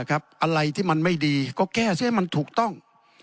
อะไรที่มันไม่ดีก็แก้ซิให้มันถูกต้อง